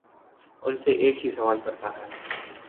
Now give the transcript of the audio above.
ان سے ایک ہی سوال کرتا ہے